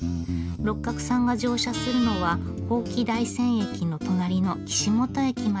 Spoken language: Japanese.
六角さんが乗車するのは伯耆大山駅の隣の岸本駅まで。